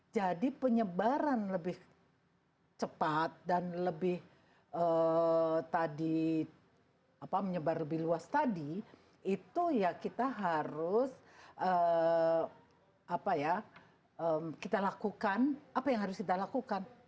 jadi penyebaran lebih cepat dan lebih tadi apa menyebar lebih luas tadi itu ya kita harus apa ya kita lakukan apa yang harus kita lakukan